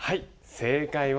正解は。